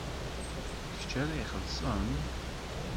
D kečč ara ixellṣen?